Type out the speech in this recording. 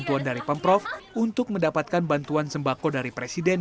pengurus rw mencari bantuan dari pemprov untuk mendapatkan bantuan sembako dari presiden